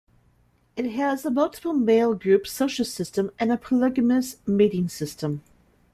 It has a multiple-male group social system and a polygamous mating system.